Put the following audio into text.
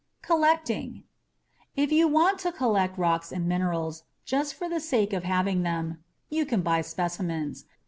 COLLECTING If you want to collect rocks and minerals just for the sake of having them, you can buy specimens.